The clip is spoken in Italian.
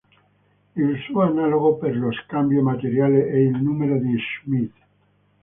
Il suo analogo per lo scambio materiale è il numero di Schmidt.